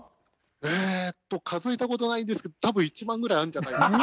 えーっと数えた事ないんですけど多分１万ぐらいあるんじゃないですかね。